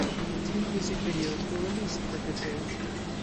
Two music videos were released for "Good Days".